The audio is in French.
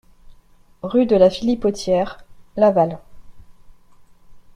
Rue de la Philipotière, Laval